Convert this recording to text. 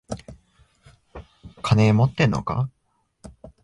金持ってんのか？